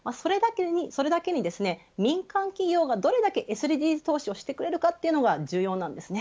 それだけに民間企業が、どれだけＳＤＧｓを投資してくれるかというのが重要なんですね。